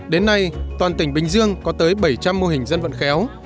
đến nay toàn tỉnh bình dương có tới bảy trăm linh mô hình dân vận khéo